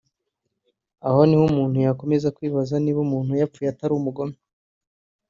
Aho niho umuntu yakomeza kwibaza niba umuntu wapfuye atari umugome